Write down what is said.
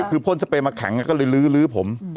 คือพ่นสเปรย์มาแข็งก็เลยลื้อผม